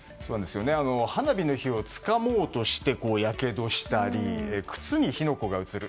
花火の火をつかもうとしてやけどしたり靴に火の粉が移る。